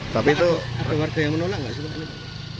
tapi itu ada warga yang menolak nggak sih pak